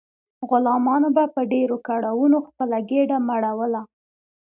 غلامانو به په ډیرو کړاوونو خپله ګیډه مړوله.